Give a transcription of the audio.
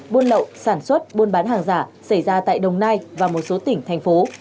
buôn lậu sản xuất buôn bán hàng giả xảy ra tại đồng nai và một số tỉnh thành phố